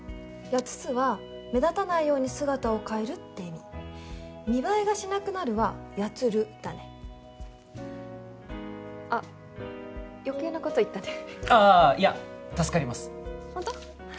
「窶す」は目立たないように姿を変えるって意味見栄えがしなくなるは「窶る」だねあっ余計なこと言ったねああいや助かりますほんと？